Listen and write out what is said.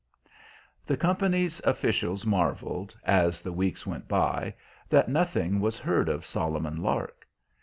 The company's officials marveled, as the weeks went by, that nothing was heard of Solomon Lark.